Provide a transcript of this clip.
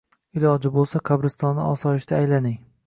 Iloji bo’lsa, qabristonni osoyishta aylaning.